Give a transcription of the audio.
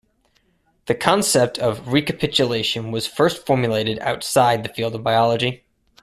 The concept of recapitulation was first formulated outside the field of biology.